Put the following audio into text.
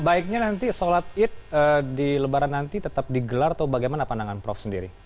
baiknya nanti sholat id di lebaran nanti tetap digelar atau bagaimana pandangan prof sendiri